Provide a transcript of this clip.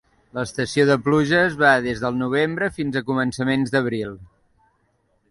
L'estació de pluges va des del novembre fins a començaments d'abril.